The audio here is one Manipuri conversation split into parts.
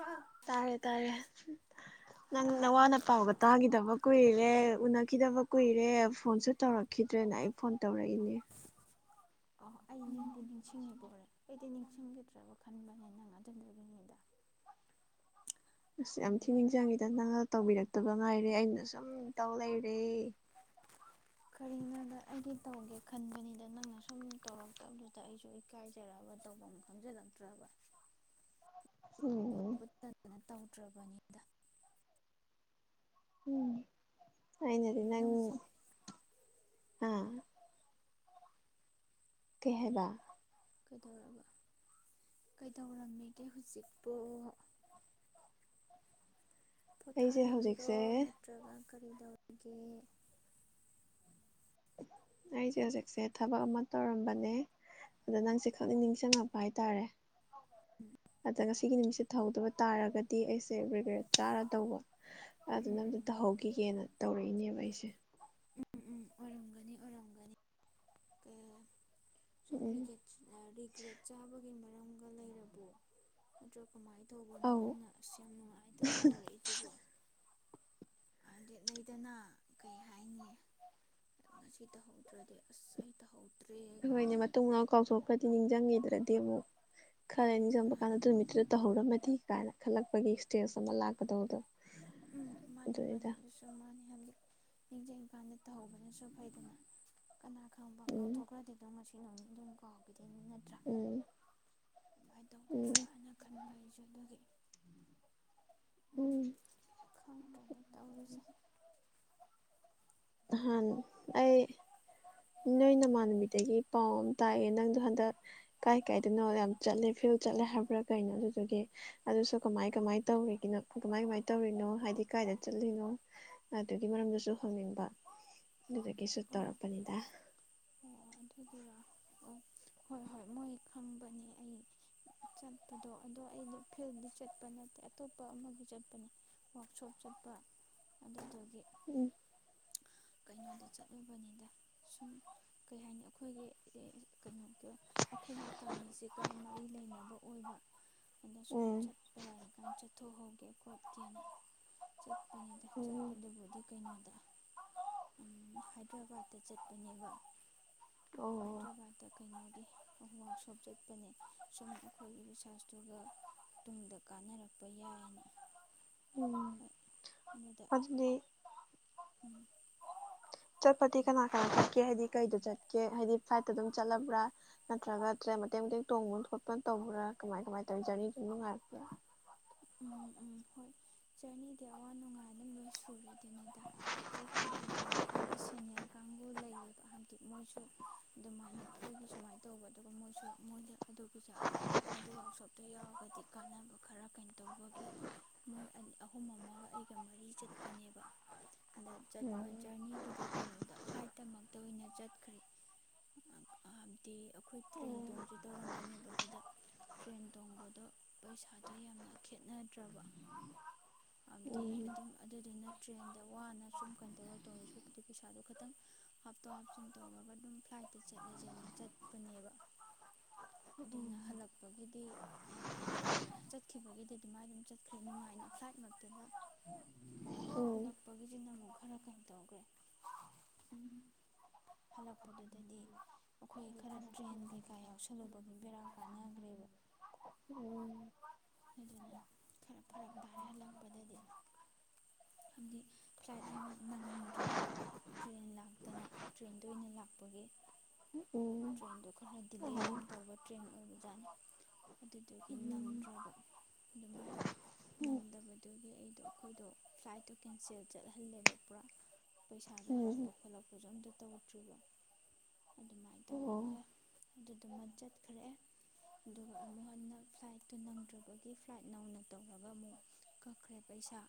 ꯑꯣ ꯇꯥꯔꯦ ꯇꯥꯔꯦ ꯅꯪ ꯅꯋꯥꯅ ꯄꯥꯎꯒ ꯇꯥꯈꯤꯗꯕ ꯀꯨꯏꯔ ꯦ ꯎꯅꯈꯤꯗꯕ ꯀꯨꯏꯔꯦ ꯐꯣꯟꯁꯨ ꯇꯧꯔꯛꯈꯤꯗ꯭ꯔꯦꯅ ꯑꯩ ꯐꯣꯟ ꯇꯧꯔꯛꯏꯅꯦ ꯑ ꯑꯩ ꯅꯤꯡꯗꯤ ꯅꯤꯡꯁꯤꯡꯉꯤꯕ ꯑꯣꯏꯔꯦ ꯑꯩꯗꯤ ꯅꯤꯡ ꯟꯈꯤꯗ꯭ꯔꯕ ꯈꯟꯕꯅꯦ ꯅꯪ ꯉꯥꯖꯟꯗꯒꯤꯅꯤꯗ ꯑꯁ ꯌꯥꯝ ꯊꯤ ꯅꯤꯡꯁꯤꯡꯪꯉꯦꯗ ꯅꯪ ꯇꯧꯕꯔꯛꯇ ꯑꯗꯨꯒ ꯉꯥꯏꯔꯦ ꯑꯩꯅ ꯁꯨꯝꯇꯧ ꯂꯩꯔꯦ ꯀꯔꯤꯅꯣꯗ ꯑꯩꯗꯤ ꯇꯧꯒꯦ ꯈꯟꯕꯅꯤꯗ ꯅꯪꯅ ꯁꯨꯝ ꯇꯧꯔꯛꯇꯕꯗꯨꯗ ꯑꯩꯁꯨ ꯏꯀꯥꯏꯖꯔꯛꯑꯕ ꯇꯧꯐꯝ ꯈꯪꯖꯤꯜꯂꯛꯇ꯭ꯔꯕ ꯎꯝ ꯆꯠꯇ ꯕꯅꯤꯗ ꯎꯝ ꯑꯥꯏꯅꯗꯤ ꯃꯤꯅ ꯅꯪ ꯍꯧꯖꯤꯛ ꯑꯝ ꯀꯍꯦꯕꯥ ꯀꯩꯗꯧꯔꯕ ꯀꯩꯗꯧꯔꯝꯃꯤꯒꯦ ꯍꯧꯖꯤꯛꯄꯣ ꯑꯩꯁꯦ ꯄꯣꯊꯥꯔꯝꯃꯤꯔꯣ ꯍꯧꯖꯤꯛꯁꯦ ꯅꯠꯇ꯭ꯔꯒ ꯀꯔꯤꯗꯧꯒꯦ ꯑꯩꯁꯦ ꯍꯧꯖꯤꯛꯁꯦ ꯊꯕꯛ ꯑꯃ ꯇꯧꯔꯝꯕꯅꯦ ꯑꯗ ꯅꯪꯁꯦ ꯈꯛꯅꯤꯡ ꯅꯤꯡꯁꯤꯡꯉꯛꯄ ꯍꯥꯏ ꯇꯔꯦ ꯎꯝ ꯑꯗꯨꯒ ꯁꯤꯒꯤ ꯅꯨꯃꯤꯠꯁꯦ ꯊꯧꯗꯕ ꯇꯥꯔꯒꯗꯤ ꯑꯩꯁꯦ ꯔꯤꯒ꯭ꯔꯦꯠ ꯆꯥꯔ ꯇꯧꯕ ꯑꯗꯨ ꯎꯝ ꯅꯝꯗ ꯎꯝ ꯇꯧꯍꯧꯈꯤꯒꯦꯅ ꯇꯧꯔꯛꯏꯅꯦꯕ ꯑꯩꯁꯦ ꯎꯝ ꯎꯝ ꯑꯣꯏꯔꯝꯒꯅꯤ ꯑꯣꯏꯔꯝꯒꯅꯤ ꯁꯨꯝ ꯎꯝ ꯔꯤꯒꯦꯠ ꯔꯤꯒ꯭ꯔꯦꯠ ꯆꯕ ꯃꯔꯝꯒ ꯂꯩꯔꯕꯣ ꯅ꯭ꯔ ꯀꯃꯥꯏꯅ ꯇꯧꯕꯅꯣ ꯑꯧ ꯅꯪꯅ ꯑꯁ ꯌꯥꯝ ꯅꯨꯡꯉꯥꯏꯇꯅ ꯇꯧꯔꯛꯏꯁꯤꯕꯣ ꯍꯥꯏꯗꯤ ꯂꯩꯗꯅ ꯀꯩ ꯍꯥꯏꯅꯤ ꯉꯁꯤ ꯇꯧꯍꯧꯗ꯭ꯔꯗꯤ ꯑꯁ ꯑꯩ ꯇꯧꯍꯧꯦ ꯍꯈꯣꯏꯅꯦ ꯃꯇꯨꯡꯅꯥꯎ ꯀꯥꯎꯊꯣꯛꯈ꯭ꯔꯗꯤ ꯅꯤꯡꯁꯤꯡꯉꯦ ꯑꯗꯨꯗꯤꯦꯕꯨ ꯈꯔ ꯎꯝ ꯑꯦꯡꯖꯝꯕ ꯀꯥꯟꯗ ꯃꯥꯅꯤ ꯑꯗꯨꯃꯤꯠꯇ꯭ꯔ ꯇ ꯍꯧꯧꯔꯝꯃꯦ ꯤ ꯀꯥꯏꯅ ꯈꯜꯂꯛꯄꯒꯤ ꯁ꯭ꯇꯦꯖ ꯑꯃ ꯂꯥꯛꯀꯗꯧꯕꯗꯣ ꯎꯝ ꯃꯥꯅꯦ ꯃꯥꯅꯦ ꯑꯗꯨꯁꯨ ꯃꯥꯅꯦ ꯍꯥꯏ ꯅꯤꯡꯖꯝ ꯏꯝꯀꯥꯜꯗ ꯇꯧꯍꯧꯕꯅꯁꯨ ꯐꯩꯗꯅ ꯀꯅꯥ ꯈꯔꯨꯝꯕ ꯎꯝ ꯀꯥꯎꯊꯣꯛꯈ꯭ꯔꯗꯤꯗꯣ ꯩꯅꯅꯅꯤ ꯑꯗꯨꯝ ꯀꯥꯎꯈꯤꯗ ꯁꯤꯅꯤ ꯅꯠꯇ꯭ꯔꯥ ꯎꯝ ꯀꯃꯥꯏꯅ ꯎꯝ ꯇꯧꯒꯗ꯭ꯔꯅ ꯈꯟꯕ ꯑꯩꯁꯨ ꯑꯗꯨꯒꯤ ꯎꯝ ꯎ ꯈꯪꯗ꯭ꯔꯦꯗ ꯇꯧꯔꯤꯁꯦ ꯅꯍꯥꯟ ꯑꯩ ꯅꯣꯏ ꯅꯃꯥꯟ ꯅꯨꯃꯤꯠꯇꯒꯤ ꯄꯥꯎ ꯑꯃ ꯇꯥꯛꯑꯦ ꯅꯪꯗꯣ ꯍꯟꯗꯛ ꯀꯥꯏ ꯀꯥꯏꯗꯅꯣ ꯌꯥꯝ ꯆꯠꯂꯦ ꯐꯤꯜ ꯆꯠꯂꯦ ꯍꯥꯏꯕ꯭ꯔꯥ ꯀꯩꯅꯣ ꯑꯗꯨꯗꯨꯒꯤ ꯑꯗꯨꯁꯨ ꯀꯃꯥꯏ ꯀꯃꯥꯏ ꯇꯧꯔꯤꯒꯅꯣ ꯀꯃꯥꯏ ꯀꯃꯥꯏ ꯇꯧꯔꯤꯅꯣ ꯍꯥꯏꯗꯤ ꯀꯥꯏꯗ ꯆꯠꯂꯤꯅꯣ ꯑꯗꯨꯒꯤ ꯃꯔꯝꯗꯁꯨ ꯍꯪꯅꯤꯡꯕ ꯑꯗꯨꯗ ꯀꯁꯨ ꯑꯣ ꯇꯔꯄꯗ ꯑꯣ ꯑꯗꯨꯒꯤꯔꯣ ꯑꯣ ꯍꯣꯏ ꯍꯣꯏ ꯃꯣꯏ ꯈꯪꯕꯅꯦ ꯑꯩ ꯆꯠꯄꯗꯣ ꯑꯗꯣ ꯑꯩꯗꯣ ꯐꯤꯜꯗꯤ ꯆꯠꯄ ꯅꯠꯇꯦ ꯑꯇꯣꯞꯄ ꯑꯃꯒꯤ ꯆꯠꯄꯅꯦ ꯋꯥꯔꯛꯁꯣꯞ ꯆꯠꯄ ꯑꯗꯨꯗꯨ ꯗꯤ ꯎꯝ ꯀꯩꯅꯣꯗ ꯆꯠꯂꯨꯕꯅꯤꯗ ꯁꯃ ꯀꯩ ꯍꯥꯏꯅꯤ ꯑꯩꯈꯣꯏꯒꯤ ꯀꯩꯅꯣ ꯑꯩꯈꯣꯏꯅ ꯇꯝꯃꯤꯁꯤꯒ ꯃꯔꯤ ꯂꯩꯅꯕ ꯑꯣꯏꯕ ꯑꯅ ꯁꯨꯝ ꯎꯝ ꯆꯠꯄ ꯌꯥꯔꯦ ꯀꯥꯏꯅ ꯆꯠꯊꯣꯛꯍꯧꯒꯦ ꯄꯠꯀꯤꯅ ꯆꯠꯄꯅꯤꯗ ꯎꯝ ꯆꯠꯄꯗꯨꯕꯨꯗꯤ ꯀꯩꯅꯣꯗ ꯍꯥꯏ ꯍꯗ꯭ꯔꯕꯥꯠꯇ ꯆꯠꯄꯅꯦꯕ ꯑꯣ ꯍꯥꯏꯗ꯭ꯔꯕꯥꯠꯇ ꯀꯩꯅꯣꯒꯤ ꯋꯥꯛꯁꯣꯞ ꯆꯠꯄꯅꯦ ꯁꯨꯝ ꯑꯩꯈꯣꯏꯒꯤ ꯔꯤꯁꯥꯔꯁꯇꯨꯒ ꯇꯨꯡꯗ ꯀꯥꯟꯅꯔꯛꯄ ꯌꯥꯏꯑꯅ ꯎꯝ ꯑꯗꯨꯗꯤ ꯎꯝ ꯆꯠꯄꯗꯤ ꯀꯅꯥ ꯀꯅꯥ ꯆꯠꯀꯦ ꯍꯥꯏꯗꯤ ꯀꯩꯗ ꯆꯠꯀꯦ ꯍꯥꯏꯗꯤ ꯐ꯭ꯂꯥꯏꯠꯇ ꯑꯗꯨꯝ ꯆꯠꯂꯕ꯭ꯔꯥ ꯅꯠꯇ꯭ꯔꯒ ꯇ꯭ꯔꯦꯟ ꯃꯇꯦꯛ ꯃꯇꯦꯛ ꯇꯣꯡꯕꯅ ꯈꯣꯠꯄꯅ ꯇꯧꯕ꯭ꯔꯥ ꯀꯃꯥꯏ ꯀꯃꯥꯏ ꯇꯧꯋ ꯖꯔꯅꯤ ꯑꯗꯨ ꯅꯨꯡꯉꯥꯏꯔꯛꯄ ꯎꯝ ꯎꯝ ꯍꯣꯏ ꯖꯔꯅꯤꯗꯤ ꯑꯋꯥ ꯅꯨꯡꯉꯥꯏ ꯑꯗꯨꯝ ꯂꯣꯏ ꯁꯨꯔꯦ ꯑꯗꯨꯅꯤꯗ ꯆꯠꯄꯕꯨꯗꯤ ꯑꯩꯈꯣꯏꯒꯤ ꯁꯦꯅꯤꯌꯔ ꯀꯥꯡꯕꯨ ꯂꯩꯌꯦꯕ ꯍꯥꯏꯗꯤ ꯃꯣꯏꯁꯨ ꯑꯗꯨꯃꯥꯏꯅ ꯑꯩꯈꯣꯏꯒꯤ ꯁꯨꯃꯥꯏꯅ ꯇꯧꯕ ꯑꯗꯨꯒ ꯃꯣꯏꯁꯨ ꯃꯣꯏꯗ ꯑꯗꯨꯒꯤꯁꯨ ꯑꯗꯨ ꯋꯥꯛꯁꯣꯞꯇꯣ ꯌꯥꯎꯔꯒꯗꯤ ꯀꯥꯟꯅꯕ ꯈꯔ ꯇꯧꯕꯒꯤ ꯑꯍꯨꯝ ꯑꯃꯒ ꯑꯩꯒ ꯃꯔꯤ ꯆꯠꯄꯅꯦꯕ ꯑꯗ ꯆꯠꯄ ꯖꯔꯅꯤꯒꯤꯗꯤ ꯀꯩꯅꯣꯗ ꯐ꯭ꯂꯥꯏꯠꯇꯃꯛꯇ ꯑꯣꯏꯅꯠ [inaudible] ꯗꯤ ꯑꯩꯈꯣꯏ ꯇ꯭ꯔꯦꯟ ꯎꯝ ꯇꯣꯡꯁꯦ ꯇꯧꯔꯝꯕꯅꯦꯕ ꯑꯗꯨꯗ ꯇ꯭ꯔꯦꯟ ꯇꯣꯡꯕꯗꯣ ꯄꯩꯁꯥꯗꯣ ꯌꯥꯝꯅ ꯅꯠꯇ꯭ꯔꯕ ꯍꯥꯏꯕꯗꯤ ꯎꯝ ꯑꯗꯨꯝ ꯑꯗꯨꯗꯨꯅ ꯇ꯭ꯔꯦꯟꯗ ꯋꯥꯅ ꯁꯨꯝ ꯀꯩꯅꯣ ꯇꯧꯔꯦ ꯇꯧꯁꯨ ꯄꯩꯁꯥꯗꯣ ꯈꯤꯇꯪ ꯍꯥꯞꯇꯣ ꯍꯥꯞꯆꯤꯟ ꯇꯧꯅꯕ ꯑꯗꯨꯝ ꯐ꯭ꯂꯥꯏꯠꯇ ꯆꯠꯂꯁꯦꯅ ꯆꯠꯄꯅꯦꯕ ꯑꯗꯨꯅ ꯍꯜꯂꯛꯄꯒꯤꯗꯤ ꯀꯩꯅꯣ ꯇꯧꯕ꯭ꯔꯦ ꯆꯠꯈꯤꯕꯒꯤ ꯁꯤ ꯑꯗꯨꯃꯥꯏ ꯑꯗꯨꯝ ꯆꯠꯈ꯭ꯔꯦ ꯅꯨꯡꯉꯥꯏꯅ ꯐ꯭ꯂꯥꯏꯠꯃꯛꯇꯨꯗ ꯑꯗꯨꯒ ꯎꯝ ꯍꯜꯂꯛꯄꯒꯤꯁꯤꯅ ꯑꯃꯨꯛ ꯈꯔ ꯀꯩ ꯇꯧꯈ꯭ꯔꯦ ꯎ ꯍꯜꯂꯛꯄꯗꯨꯗꯗꯤ ꯑꯩꯈꯣꯏ ꯈꯔ ꯇ꯭ꯔꯦꯟ ꯀꯩꯀꯥ ꯌꯥꯎꯁꯜꯂꯨꯕꯒꯤ ꯕꯦꯔꯥ ꯀꯥꯟꯅꯈ꯭ꯔꯦꯕ ꯎꯝ ꯑꯗꯨꯅ ꯈꯔ ꯐꯔꯛ ꯇꯥꯔꯦ ꯍꯜꯂꯛꯄꯗꯗꯤ ꯍꯥꯏꯕꯗꯤ ꯐ꯭ꯂꯥꯏꯠ ꯑꯃ ꯅꯪꯗ꯭ꯔꯦꯕ ꯇ꯭ꯔꯦꯟ ꯂꯥꯛꯇꯅ ꯇ꯭ꯔꯦꯟꯗ ꯑꯣꯏꯅ ꯂꯥꯛꯄꯒꯤ ꯎꯝ ꯇ꯭ꯔꯦꯟꯗꯣ ꯈꯔ ꯗꯤꯂꯦ ꯎꯝ ꯌꯥꯝ ꯇꯧꯕ ꯇ꯭ꯔꯦꯟ ꯑꯣꯏꯕꯖꯥꯠꯅꯤ ꯑꯗꯨ ꯑꯗꯨꯒꯤ ꯅꯪꯗ꯭ꯔꯕ ꯑꯗꯨꯃꯥꯏꯅ ꯅꯪꯗꯕꯗꯨ ꯑꯗꯒꯤ ꯑꯩꯗꯣ ꯑꯩꯈꯣꯏꯗꯣ ꯐ꯭ꯂꯥꯏꯠꯇꯣ ꯀꯦꯟꯁꯦꯜ ꯆꯠꯍꯜꯂꯦꯕ ꯄꯨꯔꯥ ꯄꯩꯁꯥꯁꯨ ꯎꯝ ꯎꯝ ꯎꯝ ꯍꯜꯂꯛꯄ ꯈꯣꯠꯂꯛꯄꯁꯨ ꯑꯝꯇ ꯇꯧꯗ꯭ꯔꯤꯕ ꯑꯗꯨꯃꯥꯏꯅ ꯑꯣ ꯇꯧꯔꯒ ꯑꯗꯨꯗꯨꯃ ꯆꯠꯈ꯭ꯔꯦ ꯑꯗꯨꯒ ꯑꯃꯨꯛ ꯍꯟꯅ ꯐ꯭ꯂꯥꯏꯠꯇꯨ ꯅꯪꯗ꯭ꯔꯕꯒꯤ ꯐ꯭ꯂꯥꯏꯠ ꯅꯧꯅ ꯇꯧꯔꯒ ꯑꯃꯨꯛ ꯀꯛꯈ꯭ꯔꯦ ꯄꯩꯁꯥ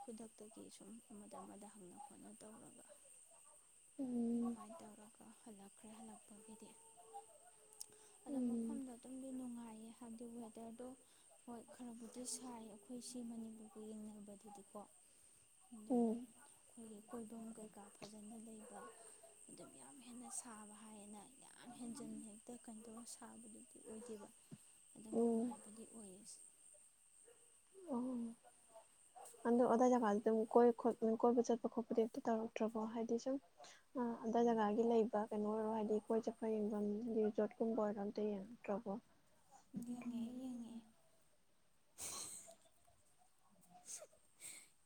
ꯈꯨꯗꯛꯇꯒꯤ ꯁꯨꯝ ꯑꯃꯗ ꯑꯃꯗ ꯍꯪꯅ ꯈꯣꯠꯅ ꯇꯧꯔꯒ ꯎꯝ ꯑꯗꯨꯃꯥꯏꯅ ꯇꯧꯔꯒ ꯍꯜꯂꯛꯄ ꯈ꯭ꯔ ꯍꯅꯛꯄ ꯑꯗꯣ ꯃꯐꯝꯗ ꯑꯗꯨꯝꯗꯤ ꯅꯨꯡꯉꯥꯏꯌꯦ ꯑꯗꯨ ꯋꯦꯗ꯭ꯔꯗꯣ ꯍꯣꯏ ꯈꯔꯕꯨꯗꯤ ꯁꯥꯏ ꯑꯩꯈꯣꯏ ꯁꯤ ꯃꯅꯤꯄꯨꯔꯒ ꯌꯦꯡꯅꯕꯗꯗꯤꯀꯣ ꯑꯗꯣ ꯎꯝ ꯎꯝ ꯑꯗꯨꯝ ꯑꯩꯈꯣꯏꯒꯤ ꯀꯣꯏꯐꯝ ꯀꯩꯀꯥ ꯐꯖꯅ ꯂꯩꯕ ꯑꯗꯨꯝ ꯌꯥꯝ ꯍꯦꯟꯅ ꯁꯥꯕ ꯍꯥꯏꯌꯦꯅ ꯌꯥꯝ ꯍꯦꯟꯖꯤꯟ ꯍꯦꯛꯇ ꯀꯩꯅ ꯇꯧꯔ ꯁꯥꯕꯗꯨꯗꯤ ꯑꯣꯏꯗꯦꯕ ꯑꯗꯨꯝ ꯎꯝ ꯅꯨꯡꯉꯥꯏꯕꯗꯤ ꯑꯣꯏꯌꯦ ꯑꯣ ꯑꯗꯣ ꯑꯗꯥꯏ ꯖꯒꯥꯗ ꯑꯗꯨꯝ ꯀꯣꯏ ꯀꯣꯏꯕ ꯆꯠꯄ ꯈꯣꯠꯄꯗꯤ ꯑꯝꯇ ꯇꯧꯔꯛꯇ꯭ꯔꯕꯣ ꯍꯥꯏꯗꯤ ꯁꯨꯝ ꯑꯗꯥꯏ ꯖꯒꯥꯒꯤ ꯂꯩꯕ ꯀꯩꯅꯣ ꯑꯣꯏꯔꯣ ꯍꯥꯏꯗꯤ ꯀꯣꯏ ꯆꯠꯄ ꯌꯦꯡꯐꯝ ꯍꯥꯏꯗꯤ ꯔꯤꯖꯣꯔꯠꯀꯨꯝꯕ ꯑꯣꯏꯔꯣ ꯑꯝꯇ ꯌꯦꯡꯉꯛꯇ꯭ꯔꯕꯣ ꯌꯦꯡꯉꯛꯏ ꯌꯦꯡꯉꯛꯏ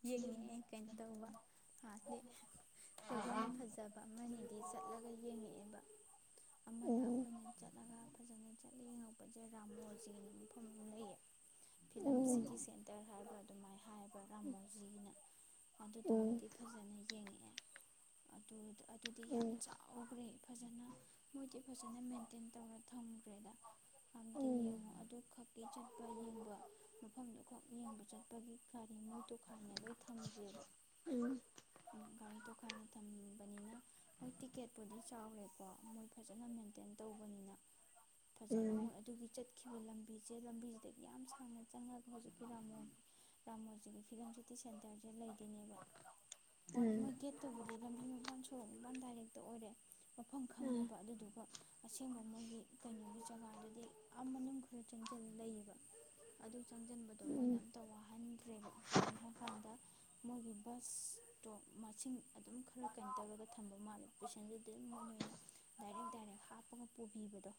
ꯌꯦꯡꯉꯛꯑꯦ ꯀꯩꯅꯣ ꯇꯧꯕꯗꯤ ꯀꯣꯏꯕꯝ ꯐꯖꯕ ꯑꯃꯅꯤꯗꯤ ꯆꯠꯂꯒ ꯌꯦꯡꯉꯛꯑꯦꯕ ꯑꯥ ꯑꯃꯅ ꯑꯥ ꯑꯩꯈꯣꯏꯅ ꯆꯠꯂꯒ ꯐꯖꯅ ꯆꯠ ꯔꯥꯃꯣꯖꯤꯅ ꯃꯐꯝ ꯂꯩꯌꯦ ꯐꯤꯂꯝ ꯑꯥ ꯁꯤꯇꯤ ꯁꯦꯟꯇꯔ ꯍꯥꯏꯕ꯭ꯔꯥ ꯑꯗꯨꯃꯥꯏꯅ ꯍꯥꯏꯌꯦꯕ ꯔꯥꯃꯣ ꯍꯧꯖꯤꯛꯅ ꯑꯗꯨꯗꯨꯃꯗꯤ ꯐꯖꯅ ꯌꯦꯡꯉꯛꯑꯦ ꯑꯗꯨꯗ ꯑꯗꯨꯗꯤ ꯌꯥꯝ ꯆꯥꯎꯈ꯭ꯔꯦ ꯐꯖꯅ ꯃꯣꯏꯗꯤ ꯐꯖꯅ ꯃꯦꯟꯇꯦꯟ ꯇꯧꯔ ꯊꯝꯈ꯭ꯔꯦꯗ ꯌꯦꯡꯉꯣ ꯑꯗꯨ ꯈꯛ ꯆꯠꯄ ꯌꯦꯡꯕ ꯃꯐꯝꯗꯨ ꯈꯛ ꯌꯦꯡꯕ ꯆꯠꯄꯒꯤ ꯀꯔꯤ ꯃꯣꯏ ꯇꯣꯈꯥꯏꯅ ꯂꯣꯏ ꯊꯝꯈ꯭ꯔꯦꯕ ꯎꯝ ꯒꯥꯔꯤ ꯇꯣꯈꯥꯏꯅꯝ ꯅꯤꯅ ꯍꯣꯏ ꯇꯤꯀꯦꯠꯄꯨꯗꯤ ꯆꯥꯎꯔꯦꯀꯣ ꯃꯣꯏ ꯐꯖꯅ ꯃꯦꯟꯇꯦꯟ ꯇꯧꯕꯅꯤꯅ ꯐꯖꯅ ꯃꯣꯏ ꯑꯗꯨꯒꯤ ꯆꯠ ꯆꯠꯈꯤꯕ ꯂꯝꯕꯤꯁꯦ ꯂꯝꯕꯤꯁꯤꯗꯒꯤ ꯌꯥꯝ ꯁꯥꯡꯅ ꯆꯪꯉꯒ ꯍꯧꯖꯤꯛꯀꯤ ꯔꯥꯃꯣꯖꯤ ꯔꯥꯃꯣꯖꯤꯒꯤ ꯐꯤꯂꯝ ꯁꯤꯇꯤ ꯁꯦꯟꯇꯔꯁꯦ ꯂꯩꯗꯣꯏꯅꯦꯕ ꯍꯣꯏ ꯃꯣꯏ ꯒꯦꯠꯇꯕꯨꯗꯤ ꯂꯝꯕꯤ ꯃꯄꯥꯟ ꯁꯣꯔꯛ ꯃ ꯗꯥꯏꯔꯦꯛꯇ ꯑꯣꯏꯔꯦ ꯃꯐꯝ ꯈꯪꯅꯕ ꯑꯗꯨꯗꯨꯒ ꯑꯁꯦꯡꯕ ꯃꯣꯏꯒꯤ ꯀꯩꯅꯣꯒꯤ ꯖꯒꯥꯗꯨꯗꯤ ꯑꯃꯅꯝ ꯈꯔ ꯆꯪꯁꯤꯜ ꯂꯩꯌꯦꯕ ꯑꯗꯨ ꯆꯪꯁꯤꯟꯕꯗꯣ ꯃꯣꯏꯅ ꯑꯝꯇ ꯋꯥꯍꯟꯗ꯭ꯔꯦꯕ ꯀꯩꯒꯤꯅꯣ ꯍꯥꯏꯀꯥꯟꯗ ꯃꯣꯏꯒꯤ ꯕꯁꯇꯣ ꯃꯁꯤꯡ ꯑꯗꯨꯝ ꯈꯔ ꯀꯩꯅꯣ ꯇꯧꯔꯒ ꯊꯝꯕ ꯃꯥꯜꯂꯦ ꯄꯦꯁꯦꯟꯖꯔꯗꯤ ꯑꯗꯨꯝ ꯃꯣꯏꯅ ꯑꯣꯏꯅ ꯗꯥꯏꯔꯦꯛ ꯗꯥꯏꯔꯦꯛ ꯍꯥꯞꯄꯒ ꯄꯨꯕꯤꯕꯗꯣ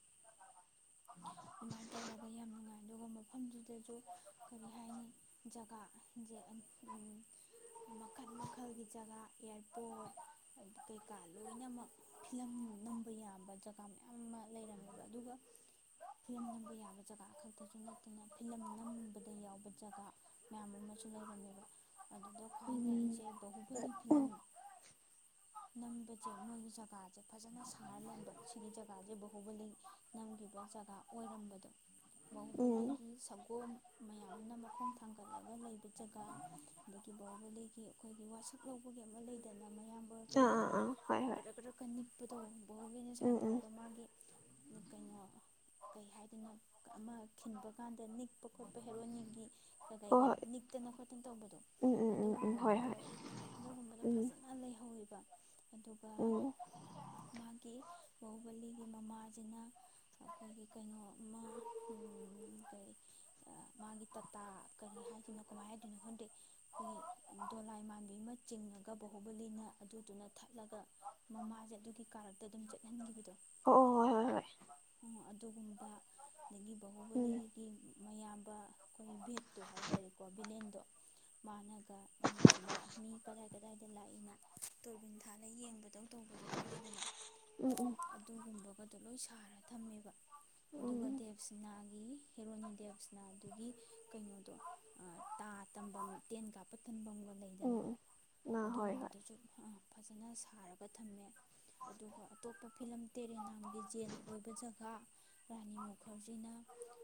ꯑꯗꯨꯃꯥꯏꯅ ꯇꯧꯔꯒ ꯌꯥꯝ ꯅꯨꯡꯉꯥꯏ ꯑꯗꯨꯒ ꯃꯐꯝꯗꯨ ꯁꯤꯗꯁꯨ ꯀꯔꯤ ꯍꯥꯏꯅꯤ ꯖꯒꯥ ꯃꯈꯜ ꯃꯈꯜꯒꯤ ꯖꯒꯥ ꯏꯌꯥꯔꯄꯣꯔꯠ ꯀꯩꯀꯥ ꯂꯣꯏꯅꯃꯛ ꯐꯤꯂꯝ ꯅꯝꯕ ꯌꯥꯕ ꯖꯒꯥ ꯃꯌꯥꯝ ꯑꯃ ꯂꯩꯔꯝꯃꯦꯕ ꯑꯗꯨꯒ ꯐꯤꯂꯝ ꯅꯝꯕ ꯌꯥꯕ ꯖꯒꯥ ꯈꯛꯇꯁꯨ ꯅꯠꯇꯅ ꯐꯤꯂꯝ ꯅꯝꯕꯗ ꯌꯥꯎꯕ ꯖꯒꯥ ꯃꯌꯥꯝ ꯁꯨ ꯂꯩꯔꯝꯃꯦꯕ ꯑꯗꯨꯗ ꯈ꯭ꯋꯥꯏ ꯉꯛꯏꯁꯦ ꯕꯥꯥꯍꯨꯕꯂꯤ ꯐꯤꯂꯝ ꯅꯝꯕꯁꯦ ꯃꯣꯏꯒꯤ ꯖꯒꯥꯁꯦ ꯐꯖꯅ ꯁꯥꯔ ꯂꯩꯕ ꯁꯤꯒꯤ ꯖꯒꯥꯁꯦ ꯕꯥꯥꯍꯨꯕꯂꯤ ꯅꯝꯈꯤꯕ ꯖꯒꯥ ꯑꯣꯏꯔꯝꯕꯗꯣ ꯕꯥꯥꯍꯨꯕꯂꯤꯒꯤ ꯁꯒꯣꯜ ꯃꯌꯥꯝꯅ ꯃꯈꯣꯡ ꯊꯥꯡꯒꯠꯂꯒ ꯂꯩꯕ ꯖꯒꯥ ꯑꯗꯒꯤ ꯕꯥꯎꯍꯨꯕꯦꯂꯤꯒꯤ ꯑꯩꯈꯣꯏꯒꯤ ꯋꯥꯁꯛ ꯂꯧꯕꯒꯤ ꯑꯃ ꯂꯩꯗꯅ ꯃꯌꯥꯝꯕ ꯀꯩꯀ ꯍꯣꯏ ꯍꯣꯏ ꯒꯗ꯭ꯔ ꯒꯗ꯭ꯔꯀ ꯅꯤꯛꯄ ꯕꯣꯕꯤꯅ ꯎꯝ ꯁꯨꯃꯥꯏꯅ ꯎꯝ ꯇꯧꯔꯒ ꯃꯥꯒꯤ ꯅꯨ ꯀ ꯉꯣ ꯀꯩ ꯍꯥꯏꯗꯅ ꯑꯃ ꯈꯤꯟꯕ ꯀꯥꯟꯗ ꯅꯤꯛꯄ ꯈꯣꯠꯄ ꯍꯦꯔꯣꯏꯒꯤ ꯀ ꯍꯣꯏ ꯀꯩꯒ ꯅꯤꯛ ꯍꯠꯇꯅ ꯈꯣꯠꯇꯅ ꯇꯧꯕꯗꯣ ꯑꯗꯨꯒꯨꯝꯕꯒꯗꯣ ꯍꯣꯏ ꯑꯗꯨꯒꯨꯝꯕꯗꯣ ꯎꯝ ꯐꯖꯅ ꯂꯩꯍꯧꯋꯕ ꯑꯗꯨꯒ ꯎꯝ ꯃꯥꯒꯤ ꯕꯥꯕꯂꯤꯒꯤ ꯃꯃꯥꯁꯤꯅ ꯑꯩꯈꯣꯏꯒꯤ ꯀꯩꯅꯣ ꯀꯔꯤ ꯃꯥꯒꯤ ꯇꯥꯇꯥ ꯀꯔꯤ ꯍꯥꯏꯗꯣꯏꯅꯣ ꯀꯃꯥꯏꯅ ꯍꯥꯏꯗꯣꯏꯅꯣ ꯍꯟꯗꯛ ꯑꯩꯈꯣꯏꯒꯤ ꯗꯣꯂꯥꯏ ꯃꯥꯟꯕꯤ ꯑꯃ ꯆꯤꯡꯉꯒ ꯕꯣꯣꯕꯂꯤꯅ ꯑꯗꯨꯗꯨꯅ ꯊꯠꯂꯒ ꯃꯃꯥꯁꯦ ꯑꯗꯨꯒꯤ ꯀꯥꯔꯛꯇ ꯑꯗꯨꯝ ꯆꯠꯍꯟꯈꯤꯕꯗꯣ ꯎꯝ ꯎꯝ ꯍꯣꯏ ꯍꯣꯏ ꯎꯝ ꯎꯝ ꯑꯣ ꯑꯣ ꯑꯣ ꯑꯗꯨꯒꯨꯝꯕ ꯑꯗꯒꯤ ꯍꯣꯏ ꯍꯣꯏ ꯍꯣꯏ ꯕꯥꯥꯍꯨꯕꯂꯤꯒꯤ ꯃꯌꯥꯝꯕ ꯑꯩꯈꯣꯏ ꯚꯦꯠꯇꯣ ꯍꯥꯏꯇꯥꯔꯦꯣ ꯀꯣ ꯚꯂꯦꯟꯗꯣ ꯃꯥꯅ ꯁꯤꯗ ꯃꯤ ꯀꯗꯥꯏ ꯀꯗꯥꯏꯗ ꯂꯥꯛꯏꯅ ꯇꯣꯏꯕꯤꯟ ꯊꯥꯜꯂꯒ ꯌꯦꯡꯕꯗꯧ ꯇꯧꯕꯗꯣ ꯈꯪꯉꯦꯗꯅ ꯎꯝ ꯎꯝ ꯑꯗꯨꯒꯨꯝꯕꯒꯗꯣ ꯂꯣꯏ ꯁꯥꯔꯦ ꯈꯔ ꯊꯝꯃꯦꯕ ꯑꯗꯨꯒ ꯎꯝ ꯎꯝ ꯗꯦꯞꯁꯤꯅꯥꯒꯤ ꯍꯦꯔꯣꯅꯤ ꯗꯦꯞꯁꯤꯅꯥꯗꯨꯒꯤ ꯀꯩꯅꯨꯗ ꯇꯥ ꯇꯝꯐꯝ ꯇꯦꯟ ꯀꯥꯞꯄ ꯇꯝꯐꯝꯒ ꯎꯝ ꯂꯩꯗꯅ ꯎꯝ ꯑꯥ ꯍꯣꯏ ꯍꯣꯏ ꯑꯗꯨꯒꯨꯝꯕꯗꯨꯁꯨ ꯑꯥ ꯐꯖꯅ ꯁꯥꯔꯒ ꯊꯝꯃꯦ ꯑꯗꯨꯒ ꯑꯇꯣꯞꯄ ꯐꯤꯂꯝ ꯇꯦꯔꯦꯅꯥꯝꯒꯤ ꯖꯦꯟ ꯑꯣꯏꯕ ꯖꯒꯥ ꯔꯥꯅꯤ ꯃꯨꯈꯔꯖꯤꯅ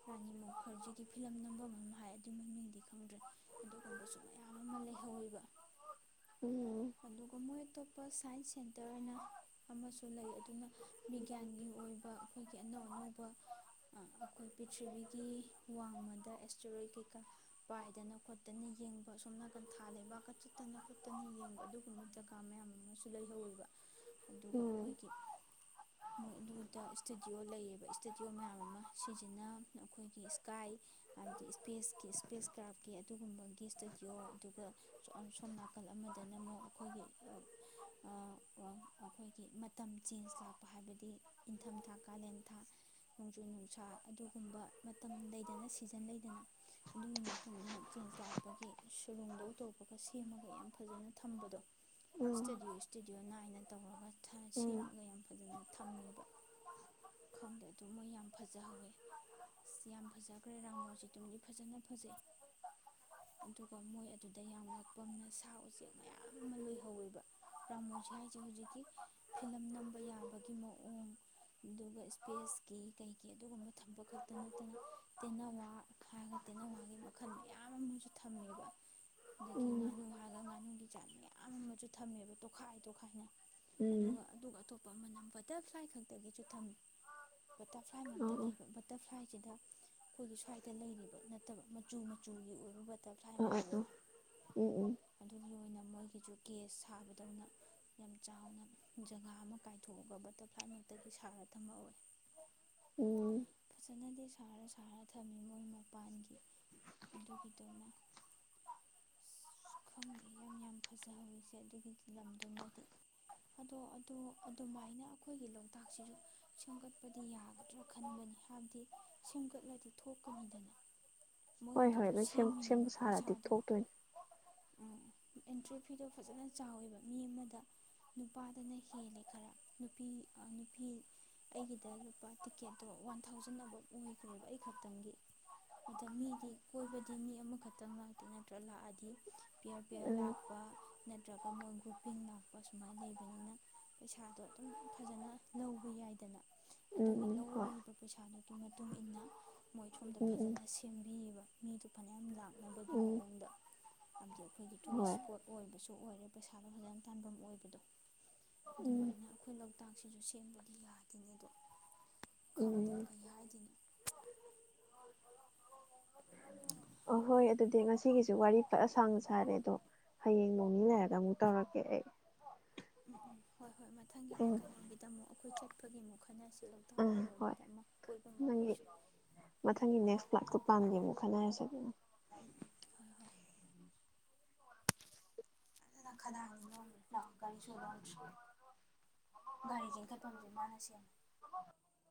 ꯔꯥꯅꯤ ꯃꯨꯈꯔꯖꯤꯒꯤ ꯐꯤꯂꯝ ꯅꯝꯐꯝ ꯑꯃ ꯍꯥꯏ ꯑꯗꯨꯒꯤ ꯃꯃꯤꯡꯗꯤ ꯃ ꯎꯝ ꯑ ꯁꯦꯟꯇꯔꯅ ꯑꯃꯁꯨ ꯂꯩ ꯑꯗꯨꯅ ꯕꯤꯒ꯭ꯌꯥꯟꯒꯤ ꯑꯣꯏꯕ ꯑꯩꯈꯣꯏꯒꯤ ꯑꯅꯧ ꯑꯅꯧꯕ ꯑꯩꯈꯣꯏ ꯄ꯭ꯔꯤꯊ꯭ꯤꯕꯤꯒꯤ ꯋꯥꯡꯃꯗ ꯑꯦꯁꯇꯔꯣꯏꯠ ꯀꯩꯀꯥ ꯄꯥꯏꯗꯅ ꯈꯣꯠꯇꯅ ꯌꯦꯡꯕ ꯁꯣꯝ ꯅꯥꯀꯟ ꯊꯥ ꯂꯩꯕꯀꯠ ꯆꯠꯇꯅ ꯈꯣꯠꯇꯅ ꯌꯦꯡꯕ ꯑꯗꯨꯒꯨꯝꯕ ꯖꯒꯥ ꯃꯌꯥꯝ ꯑꯃꯁꯨ ꯂꯩꯍꯧꯋꯦꯕ ꯑꯗꯨꯒ ꯎꯝ ꯑꯩꯈꯣꯏꯒꯤ ꯃꯣꯏ ꯑꯗꯨꯗ ꯏꯁꯇꯨꯗꯤꯑꯣ ꯂꯩꯌꯦꯕ ꯏꯁꯇꯨꯗꯤꯑꯣ ꯃꯌꯥꯝ ꯑꯃ ꯁꯤꯁꯤꯅ ꯑꯩꯈꯣꯏꯒꯤ ꯏꯁꯀꯥꯏ ꯍꯥꯏꯕꯗꯤ ꯏꯁꯄꯦꯁꯀꯤ ꯏꯁꯄꯦꯁ ꯀ꯭ꯔꯥꯐꯀꯤ ꯑꯗꯨꯒꯨꯝꯕꯒꯤ ꯏꯁꯇꯗꯤꯑꯣ ꯑꯗꯨꯒ ꯁꯣꯝ ꯅꯥꯀꯜ ꯑꯃꯗꯅ ꯑꯃꯨꯛ ꯑꯩꯈꯣꯏꯒꯤ ꯑꯩꯈꯣꯏꯒꯤ ꯃꯇꯝ ꯆꯦꯟꯖ ꯂꯥꯛꯄ ꯍꯥꯏꯕꯗꯤ ꯏꯪꯊꯝꯊꯥ ꯀꯥꯂꯦꯟ ꯊꯥ ꯅꯣꯡꯖꯨ ꯅꯨꯡꯁꯥ ꯑꯗꯨꯒꯨꯝꯕ ꯃꯇꯝ ꯂꯩꯗꯅ ꯁꯤꯖꯟ ꯂꯩꯗꯅ ꯑꯗꯨꯒꯤ ꯅꯨꯃꯤꯠꯅ ꯆꯦꯟꯖ ꯂꯥꯛꯄꯒꯤ ꯁ ꯔꯨꯝꯗꯧ ꯇꯧꯔꯛꯄꯒ ꯁꯦꯝꯃꯒ ꯌꯥꯝ ꯐꯖꯅ ꯊꯝꯕꯗꯣ ꯎꯝ ꯏꯁꯇꯨꯗꯤꯑꯣ ꯏꯁꯇꯨꯗꯤꯑꯣ ꯅꯥꯏꯟ ꯇꯧꯔꯒ ꯁꯦꯝꯃꯒ ꯌꯥꯝ ꯐꯖꯅ ꯊꯝꯃꯦꯕ ꯈꯪꯗꯦ ꯑꯗꯨ ꯃꯣꯏ ꯌꯥꯝ ꯐꯖ ꯐꯖꯍꯧꯋꯦ ꯑꯁ ꯌꯥꯝ ꯐꯖꯈ꯭ꯔꯦ ꯔꯥꯃꯣꯖꯤꯗꯨꯝꯗꯤ ꯐꯖꯅ ꯐꯖꯩ ꯑꯗꯨꯒ ꯃꯣꯏ ꯑꯗꯨꯗ ꯌꯥꯝ ꯉꯛꯄ ꯑꯃꯅ ꯁꯥ ꯎꯆꯦꯛ ꯃꯌꯥꯝ ꯑꯃ ꯂꯣꯏꯍꯧꯋꯦꯕ ꯔꯥꯃꯣꯁꯤ ꯍꯥꯏꯁꯦ ꯍꯧꯖꯤꯛꯀꯤ ꯐꯤꯂꯝ ꯅꯝꯕ ꯌꯥꯕꯒꯤ ꯃꯑꯣꯡ ꯑꯗꯨꯒ ꯏꯁꯄꯦꯁꯀꯤ ꯀꯩꯒꯤ ꯊꯝꯕ ꯈꯛꯇ ꯅꯠꯇꯅ ꯇꯦꯅꯋꯥ ꯍꯥꯏꯔꯒ ꯇꯦꯅꯋꯥꯒꯤ ꯃꯈꯜ ꯃꯌꯥꯝ ꯑꯃꯁꯨ ꯊꯝꯃꯦꯕ ꯑꯗꯒꯤ ꯎꯝ ꯉꯥꯅꯨ ꯍꯥꯏꯔꯒ ꯉꯥꯅꯨꯒꯤ ꯖꯥꯠ ꯃꯌꯥꯝ ꯑꯃꯁꯨ ꯊꯝꯃꯦꯕ ꯇꯣꯈꯥ ꯈꯥꯏꯗꯣ ꯈꯥꯏꯅ ꯎꯝ ꯎꯝ ꯑꯗꯨꯒ ꯑꯗꯨꯒ ꯑꯄ ꯃꯅꯝ ꯕꯇꯔꯐ꯭ꯂꯥꯏ ꯈꯛꯇꯒꯤꯁꯨ ꯊꯝꯃꯤ ꯕꯇꯔꯐ꯭ꯂꯥꯏ ꯃꯛꯇ ꯑꯣ ꯑꯣ ꯂꯩꯕ ꯕꯇꯔꯐ꯭ꯂꯥꯏ ꯁꯤꯗ ꯑꯩꯈꯣꯏꯒꯤ ꯁ꯭ꯋꯥꯏꯗ ꯂꯩꯔꯤꯕ ꯅꯠꯇꯕ ꯃꯆꯨ ꯃꯆꯨꯒꯤ ꯑꯣꯏꯕ ꯕꯇꯔꯐ꯭ꯂꯥꯏ ꯑꯥ ꯃꯌꯥꯝ ꯑꯥ ꯑꯃ ꯎꯝ ꯎꯝ ꯑꯗꯨꯒꯤ ꯑꯣꯏꯅ ꯃꯣꯏꯒꯤꯁꯨ ꯒꯦꯁ ꯁꯥꯕꯗꯧꯅ ꯌꯥꯝ ꯆꯥꯎꯅ ꯖꯒꯥ ꯑꯃ ꯀꯥꯏꯊꯣꯛꯑꯒ ꯕꯇꯔꯐ꯭ꯂꯥꯏꯃꯛꯇꯒꯤ ꯁꯥꯔ ꯊꯝꯃꯛ ꯑꯣꯏꯦ ꯎ ꯍꯥꯟꯅꯗꯤ ꯁꯥꯔ ꯁꯥꯔ ꯊꯝꯃꯤ ꯃꯣꯏ ꯃꯄꯥꯟꯒꯤ ꯑꯗꯨꯒꯤꯗꯨꯃ ꯈꯪꯗꯦ ꯌꯥꯝ ꯌꯥꯝ ꯐꯖꯍꯧꯋꯁꯦ ꯑꯗꯨꯒꯤ ꯂꯝꯗꯨꯃꯗꯤ ꯑꯗꯣ ꯑꯣ ꯑꯗꯨꯃꯥꯏꯅ ꯑꯩꯈꯣꯏꯒꯤ ꯂꯧ ꯂꯣꯛꯇꯥꯛꯁꯤꯁꯨ ꯁꯦꯝꯒꯠꯄꯗꯤ ꯌꯥꯒꯗ꯭ꯔꯥ ꯈꯟꯕꯅꯤ ꯍꯥꯏꯕꯗꯤ ꯁꯦꯝꯒꯠꯂꯗꯤ ꯊꯣꯛꯀꯅꯤꯗꯅ ꯍꯣꯏ ꯍꯣꯏ ꯃꯣꯏꯒꯤꯗꯨꯁꯨ ꯂꯣꯏ ꯁꯦꯝ ꯁꯦꯝꯃꯤꯅꯦꯕ ꯁꯦꯝꯕ ꯁꯥꯔꯗꯤ ꯄꯩꯁꯥꯗꯣ ꯊꯣꯛꯇꯣꯏꯅꯤ ꯎꯝ ꯑꯦꯟꯇ꯭ꯔꯤ ꯐꯤꯗꯣ ꯐꯖꯅ ꯆꯥꯎꯋꯦ ꯑꯣꯏꯕ ꯃꯤ ꯑꯃꯗ ꯅꯨꯄꯥꯗꯅ ꯍꯦꯜꯂꯦ ꯈꯔ ꯅꯨꯄꯤ ꯅꯨꯄꯤ ꯑꯩꯒꯤꯗ ꯂꯨꯄꯥ ꯇꯤꯛꯀꯦꯠꯇꯣ ꯋꯥꯟ ꯊꯥꯎꯖꯟ ꯑꯕꯞ ꯑꯣꯏꯈ꯭ꯔꯦꯕ ꯑꯩ ꯈꯛꯇꯪꯒꯤ ꯑ ꯃꯤꯗꯤ ꯀꯣꯏꯕꯗꯤ ꯃꯤ ꯑꯃꯈꯛꯇꯪ ꯂꯥꯛꯇꯦ ꯅꯠꯇ꯭ꯔꯒ ꯂꯥꯛꯑꯗꯤ ꯄꯤ ꯑꯥꯔ ꯄꯤ ꯑꯔ ꯎꯝ ꯂꯥꯛꯄ ꯅꯠꯇ꯭ꯔꯒ ꯃꯣꯏ ꯒ꯭ꯔꯨꯄꯤꯡ ꯂꯥꯛꯄ ꯁꯨꯃꯥꯏꯅ ꯂꯩꯕꯅꯤꯅ ꯄꯩꯁꯥꯗꯣ ꯑꯗꯨꯝ ꯐꯖꯅ ꯂꯧꯕ ꯌꯥꯏꯗꯅ ꯎꯝ ꯑꯗꯨꯒꯤ ꯎꯝ ꯍꯣꯏ ꯂꯧꯔꯤꯕ ꯄꯩꯁꯥꯗꯨꯒꯤ ꯃꯇꯨꯡ ꯏ ꯃꯇꯨꯡꯏꯟꯅ ꯃꯣꯏ ꯁꯣꯝꯗ ꯎꯝ ꯎꯝ ꯐꯖꯅ ꯁꯤ ꯕ ꯃꯤꯗꯨ ꯐꯅꯌꯥꯝ ꯂꯥꯡ ꯈꯅꯕꯒꯤ ꯎꯝ ꯃꯑꯣꯡꯗ ꯍꯥꯏꯕꯗꯤ ꯑꯩꯈꯣꯏꯒꯤ ꯇꯨꯔꯤꯁ ꯍꯣꯏ ꯏꯁꯄꯣꯠ ꯑꯣꯏꯕꯁꯨ ꯑꯣꯏꯔꯦ ꯄꯩꯁꯥꯗꯣ ꯐꯖꯅ ꯇꯐꯝ ꯑꯣꯏꯕꯗꯣ ꯎꯝ ꯑꯗꯨꯃꯥꯏꯅ ꯑꯩꯈꯣꯏ ꯍꯇꯥꯡꯁꯤꯁꯨ ꯁꯦꯝꯕꯗꯤ ꯌꯥꯗꯦꯅꯦ ꯑꯗꯣ ꯈꯪꯗꯦ ꯎꯝ ꯀꯩ ꯍꯥꯏꯗꯅꯣ ꯑꯍꯣꯏ ꯑꯗꯨꯗꯤ ꯉꯁꯤꯒꯤꯁꯨ ꯋꯥꯔꯤ ꯐꯠꯂ ꯁꯥꯡꯅ ꯁꯥꯔꯦ ꯑꯗꯣ ꯍꯌꯦꯡ ꯅꯣꯛꯃꯤꯟꯅꯔꯒ ꯑꯃꯨꯛ ꯇꯧꯔꯛꯀꯦ ꯑꯩ ꯎꯝ ꯎꯝ ꯍꯣꯏ ꯍꯣꯏ ꯃꯊꯪꯒꯤꯗ ꯎꯝ ꯀꯩꯅꯣꯒꯤꯗ ꯑꯃꯨꯛ ꯑꯩꯈꯣꯏ ꯆꯠꯄꯒꯤ ꯑꯃꯨꯛ ꯈꯟꯅꯁꯤ ꯎꯝ ꯍꯣꯏ ꯂꯣꯛꯇꯥꯛꯀꯨꯝꯕꯒꯤꯗ ꯑꯃꯨꯛ ꯀꯣꯏꯕ ꯃꯈ ꯅꯪꯒꯤ ꯑꯩꯈꯣꯏꯁꯨ ꯎꯝ ꯈꯅꯥꯥꯏ ꯁꯅ ꯎꯝ ꯎꯝ ꯍꯣꯏ ꯍꯣꯏ ꯐꯖꯅ ꯈꯗꯥꯡꯗꯤ ꯈ ꯅꯣꯝꯈ꯭ꯔꯦ ꯂꯥꯛꯑꯣ ꯒꯥꯔꯤ ꯁꯣ ꯂꯣꯟꯗ꯭ꯔꯤ ꯂꯒ ꯁ ꯒꯥꯔꯤ ꯆꯤꯡꯈꯠꯐꯝꯁꯦ ꯃꯥꯅ ꯔꯤꯖ ꯁꯦꯝꯃꯦ ꯈꯥꯏꯄꯪꯒꯃꯅꯁꯦ